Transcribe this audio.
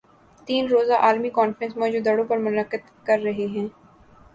تین روزہ عالمی کانفرنس موئن جو دڑو پر منعقد کررہے ہیں